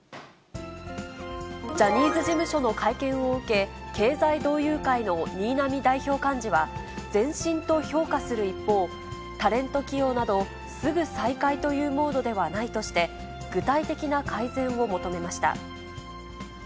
ジャニーズ事務所の会見を受け、経済同友会の新浪代表幹事は、前進と評価する一方、タレント起用など、すぐ再開というモードではないとして、具体的な改善を求めました。